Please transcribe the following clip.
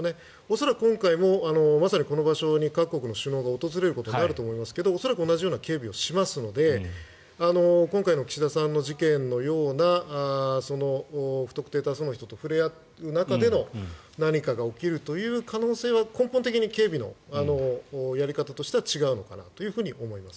恐らく今回も、まさにこの場所に各国の首脳が訪れることになると思いますが恐らく同じような警備をしますので今回の岸田さんの事件のような不特定多数の人と触れ合う中での何かが起きるという可能性は根本的に警備のやり方としては違うのかなと思います。